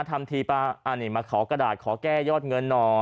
ทำทีป่ะอ่านี่มาขอกระดาษขอแก้ยอดเงินหน่อย